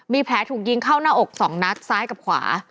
มีแผลถูกยิงเข้าหน้าอกสองนัดซ้ายกับขวา